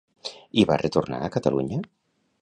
I va retornar a Catalunya?